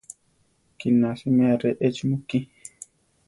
Kina siméa re échi mukí.